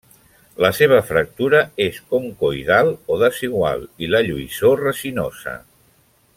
La seva fractura és concoidal o desigual i la lluïssor resinosa.